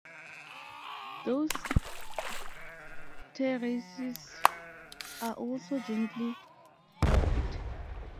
Those terraces are also gently warped.